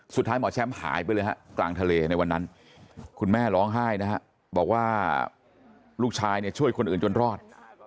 สุดท้ายหมอแชมป์หายไปเลยฮะกลางทะเลในวันนั้นคุณแม่ร้องไห้นะฮะบอกว่าลูกชายเนี่ยช่วยคนอื่นจนรอด